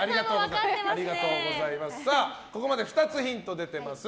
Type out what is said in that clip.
さあ、ここまで２つヒントが出ています。